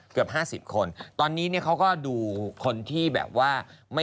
เขาก็มีการแบบว่า